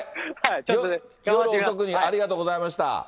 夜遅くにありがとうございました。